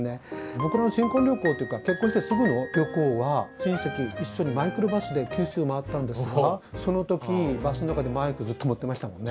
僕の新婚旅行というか結婚してすぐの旅行は親戚一緒にマイクロバスで九州回ったんですがその時バスの中でマイクずっと持ってましたもんね。